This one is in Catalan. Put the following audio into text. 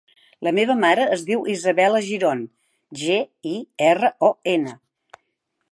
La meva mare es diu Isabella Giron: ge, i, erra, o, ena.